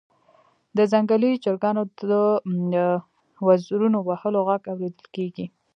د ځنګلي چرګانو د وزرونو وهلو غږ اوریدل کیږي